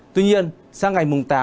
tuy nhiên sang ngày tám